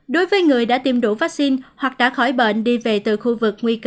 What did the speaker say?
đối với người đã tiêm đủ vaccine hoặc đã khỏi bệnh đi về từ khu vực nguy cơ